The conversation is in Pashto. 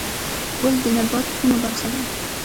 ګل د نبات کومه برخه ده؟